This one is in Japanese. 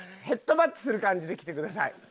ヘッドバットする感じできてください。